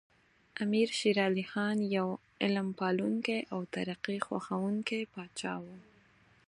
امیر شیر علی خان یو علم پالونکی او ترقي خوښوونکی پاچا و.